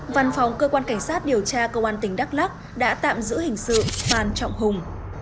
văn phòng cơ quan cảnh sát điều tra công an tỉnh đắk lắc đã tạm giữ hình sự phan trọng hùng